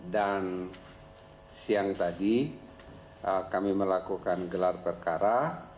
dan siang tadi kami melakukan gelar perkara